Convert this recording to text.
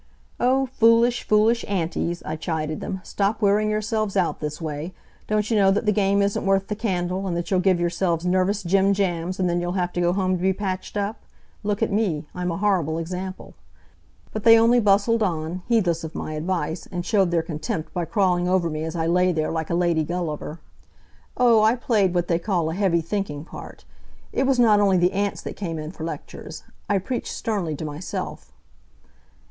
"O, foolish, foolish antics!" I chided them, "stop wearing yourselves out this way. Don't you know that the game isn't worth the candle, and that you'll give yourselves nervous jim jams and then you'll have to go home to be patched up? Look at me! I'm a horrible example." But they only bustled on, heedless of my advice, and showed their contempt by crawling over me as I lay there like a lady Gulliver. Oh, I played what they call a heavy thinking part. It was not only the ants that came in for lectures. I preached sternly to myself.